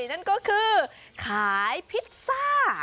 นั่นก็คือขายพิซซ่า